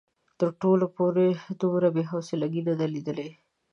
تر اوسه پورې دومره بې حوصلګي نه ده ليدلې.